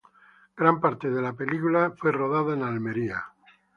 Gran parte de la película fue rodada en Almería.